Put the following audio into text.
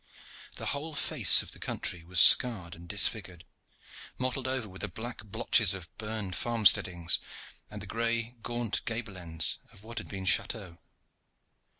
The whole face of the country was scarred and disfigured, mottled over with the black blotches of burned farm steadings, and the gray, gaunt gable ends of what had been chateaux.